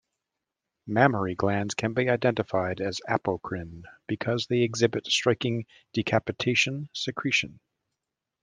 Mammary glands can be identified as apocrine because they exhibit striking "decapitation" secretion.